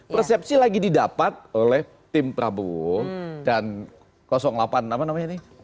persepsi lagi didapat oleh tim prabowo dan delapan apa namanya ini